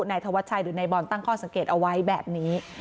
นายธวัชชัยหรือนายบอลตั้งข้อสังเกตเอาไว้แบบนี้